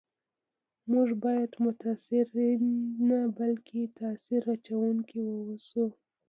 موږ باید متاثرین نه بلکي تاثیر اچونکي و اوسو